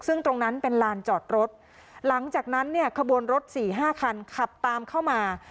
ซึ่งตรงนั้นเป็นลานจอดรถหลังจากนั้นเนี่ยขบวนรถสี่ห้าคันขับตามเข้ามา